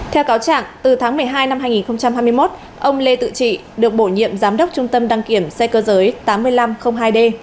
theo cáo trạng từ tháng một mươi hai năm hai nghìn hai mươi một ông lê tự trị được bổ nhiệm giám đốc trung tâm đăng kiểm xe cơ giới tám nghìn năm trăm linh hai d